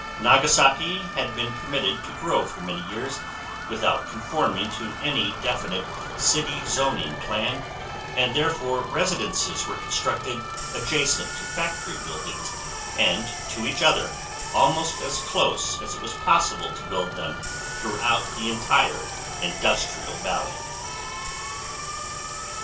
Nagasaki had been permitted to grow for many years without conforming to any definite city zoning plan and therefore residences were constructed adjacent to factory buildings and to each other almost as close as it was possible to build them throughout the entire industrial valley.